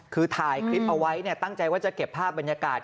คือถ่ายคลิปเอาไว้ตั้งใจว่าจะเก็บภาพบรรยากาศ